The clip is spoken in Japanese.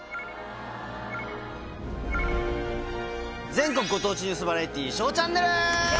全国ご当地ニュースバラエティー『ＳＨＯＷチャンネル』！